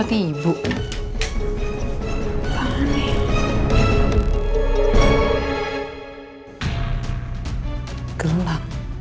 enggak ada apa apa